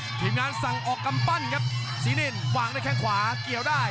ครับทีมงานสั่งออกกำปั้นครับสีนินวางได้แค่งขวาเกี่ยวได้